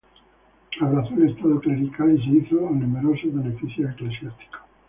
Abrazó el estado clerical y se hizo a numerosos beneficios eclesiásticos.